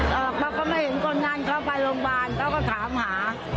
เขาก็ไม่เห็นคนนั้นเขาไปโรงพยาบาลเขาก็ถามหา